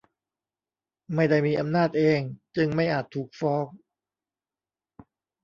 ไม่ได้มีอำนาจเอง จึงไม่อาจถูกฟ้อง